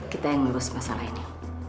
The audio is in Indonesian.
kita yang melulus masalah ini